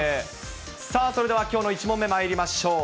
さあ、それではきょうの１問目、まいりましょう。